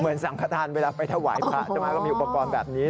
สังขทานเวลาไปถวายพระใช่ไหมก็มีอุปกรณ์แบบนี้